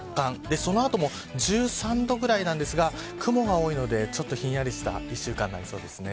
その後も１３度ぐらいなんですが雲が多いのでひんやりした１週間になりそうです。